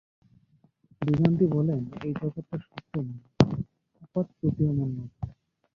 বেদান্তী বলেন, এই জগৎটা সত্য নয়, আপাতপ্রতীয়মান মাত্র।